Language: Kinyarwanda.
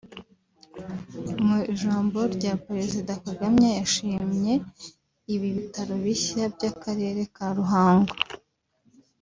Mu ijambo rya Perezida Kagame yashimye ibi bitaro bishya by’Akarere ka Ruhango